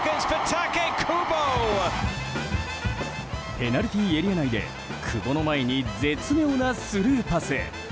ペナルティーエリア内で久保の前に絶妙なスルーパス。